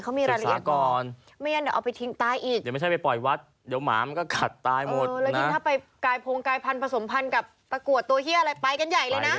เขามีละลี่เฉิน